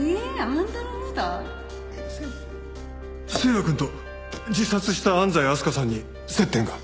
星也くんと自殺した安西明日香さんに接点が？